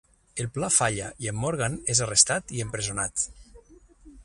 El pla falla i en Morgan es arrestat i empresonat.